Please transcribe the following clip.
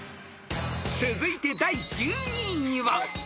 ［続いて第１２位には］